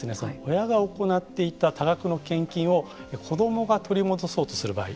親が行っていた多額の献金を子どもが取り戻そうとする場合